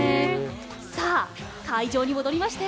さあ、会場に戻りまして